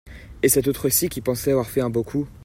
Et cet autre-ci qui pensait avoir fait un beau coup.